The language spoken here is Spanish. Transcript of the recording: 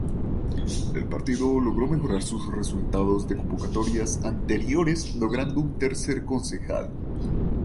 El partido logró mejorar sus resultados de convocatorias anteriores logrando un tercer concejal.